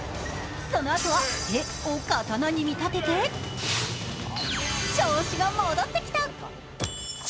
そのあとは、手を刀に見立てて、調子が戻ってきた。